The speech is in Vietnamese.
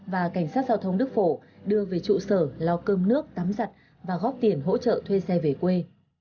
và cảnh sát giao thông đức phổ đưa về trụ sở lo cơm nước tắm giặt và góp tiền hỗ trợ thuê xe về quê